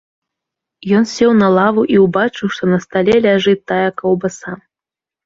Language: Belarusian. Ён сеў на лаву і ўбачыў, што на стале ляжыць тая каўбаса.